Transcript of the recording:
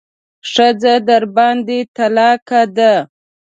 ښځه درباندې طلاقه ده.